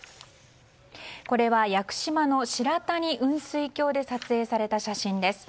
これは屋久島の白谷雲水峡で撮影された写真です。